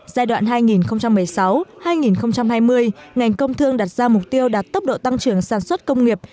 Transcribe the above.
giai đoạn hai nghìn một mươi sáu hai nghìn hai mươi ngành công thương đặt ra mục tiêu đạt tốc độ tăng trưởng sản xuất công nghiệp